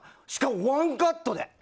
しかもワンカットで。